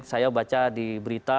saya baca di berita